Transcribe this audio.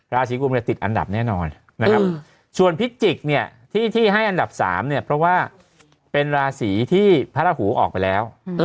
ราศีกุมติดอันดับแน่นอนนะครับส่วนพิจิกเนี่ยที่ให้อันดับ๓เนี่ยเพราะว่าเป็นราศีที่พระราหูออกไปแล้ว